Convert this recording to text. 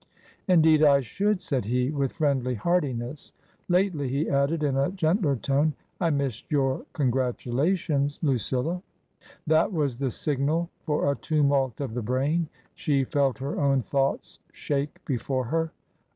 *' Indeed I should," said he, with friendly heartiness. " Lately," he added, in a gentler tone, " I missed your congratulations, Lucilla." That was the signal for a tumult of the brain. She felt her own thoughts shake before her.